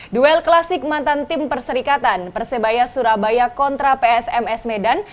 duel klasik mantan tim perserikatan persebaya surabaya kontra psms medan